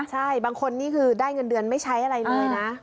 ใช่บางคนนี่คือได้เงินเดือนไม่ใช้อะไรเลยนะ